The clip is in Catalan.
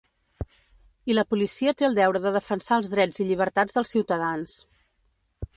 I la policia té el deure de defensar els drets i llibertats dels ciutadans.